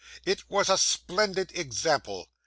It was a splendid example.